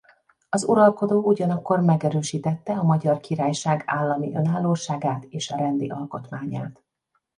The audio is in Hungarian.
Az uralkodó ugyanakkor megerősítette a Magyar Királyság állami önállóságát és rendi alkotmányát.